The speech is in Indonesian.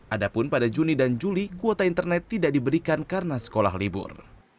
adapun pada juni dan juli kuota internet tidak diberikan karena sekolah libur